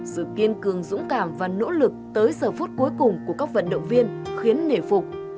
sự kiên cường dũng cảm và nỗ lực tới giờ phút cuối cùng của các vận động viên khiến nể phục